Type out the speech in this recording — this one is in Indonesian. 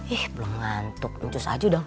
ih belum ngantuk ncus aja dong